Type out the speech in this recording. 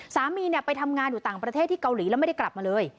สามีไปทำงานอยู่ต่างประเทศที่เกาหลีแล้วไม่ได้กลับมาเลย